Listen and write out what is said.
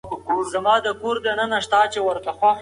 ټولنیز واقیعت د فرد د انتخابونو لوری بدلوي.